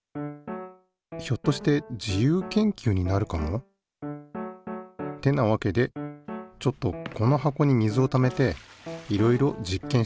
ひょっとして自由研究になるかも？ってなわけでちょっとこの箱に水をためていろいろ実験してみよう。